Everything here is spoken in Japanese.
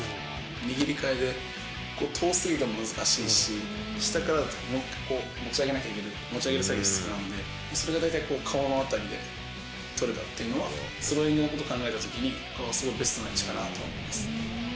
握り替えで、遠すぎても難しいし、下からだと持ち上げなきゃいけない、持ち上げる作業が必要なので、それで大体顔の辺りで捕れたっていうのはスローイングのことを考えたときにすごくベストな位置かなと思います。